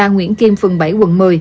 nguyễn kim phần bảy quận một mươi